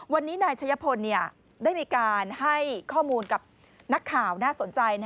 วันนี้นายชัยพลได้มีการให้ข้อมูลกับนักข่าวน่าสนใจ